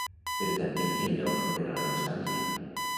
Però també hi ha lloc per a la nostàlgia.